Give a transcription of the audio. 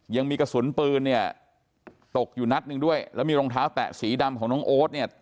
ยังมีกระสุนปืนเนี่ยตกอยู่นัดหนึ่งด้วยแล้วมีรองเท้าแตะสีดำของน้องโอ๊ตเนี่ย